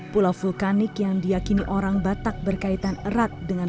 pulau vulkanik yang diakini orang batak berkaitan erat dengan